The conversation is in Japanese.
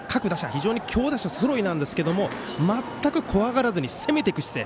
非常に強打者ぞろいなんですが全く怖がらずに攻めていく姿勢。